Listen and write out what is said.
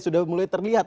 sudah mulai terlihat